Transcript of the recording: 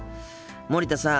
森田さん。